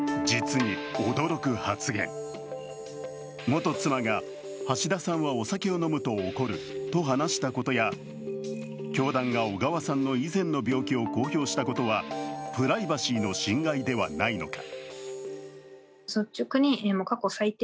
元妻が橋田さんはお酒を飲むと怒ると話したことや教団が小川さんの以前の病気を公表したことは、プライバシーの侵害ではないのか。